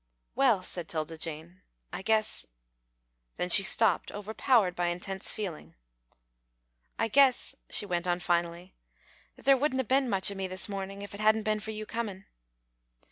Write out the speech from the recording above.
"Well," said 'Tilda Jane, "I guess " then she stopped, overpowered by intense feeling. "I guess," she went on, finally, "that there wouldn't 'a' bin much o' me this morning if it hadn't bin for you comin'."